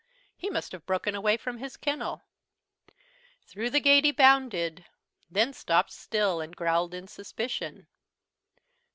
He must have broken away from his kennel. Through the gate he bounded, then stopped still and growled in suspicion.